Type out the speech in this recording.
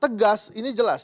tegas ini jelas